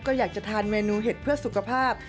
ก็อยากจะทานเมนูเห็ดเพื่อสุขภาพ